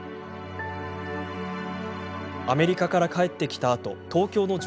アメリカから帰って来たあと東京の女